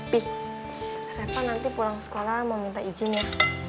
pi reva nanti pulang sekolah mau minta ijinnya